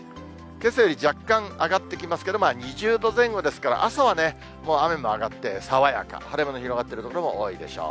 けさより若干上がってきますけれども、２０度前後ですから、朝はね、もう雨も上がって爽やか、晴れ間の広がってる所も多いでしょう。